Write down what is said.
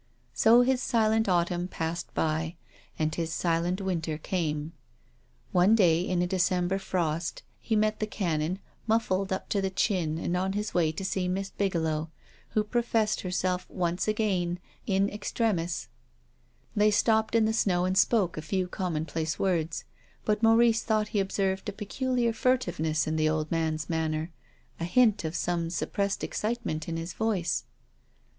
So his silent autumn passed by. And his silent winter came. One day, in a December frost, he met the Canon, muffled up to the chin and on his way to see Miss Bigelow, who professed her self once again in extremis. They stopped in the snow and spoke a few commonplace words, but Maurice thought he observed a peculiar furtive THE LIVING CHILD. 253 ness in the old man's manner, a hint of some sup pressed excitement in his voice.